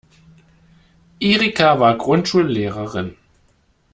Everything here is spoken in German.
Erika war Grundschullehrerin.